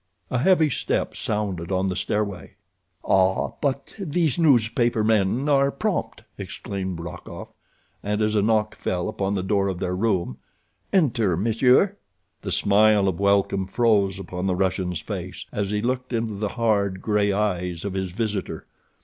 A heavy step sounded on the stairway. "Ah, but these newspaper men are prompt," exclaimed Rokoff, and as a knock fell upon the door of their room: "Enter, monsieur." The smile of welcome froze upon the Russian's face as he looked into the hard, gray eyes of his visitor.